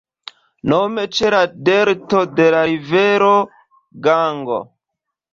Nome ĉe la delto de la rivero Gango.